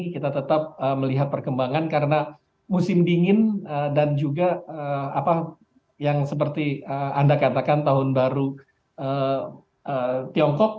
kita tetap melihat perkembangan karena musim dingin dan juga apa yang seperti anda katakan tahun baru tiongkok